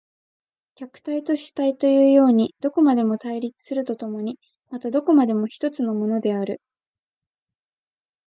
客体と主体というようにどこまでも対立すると共にまたどこまでも一つのものである。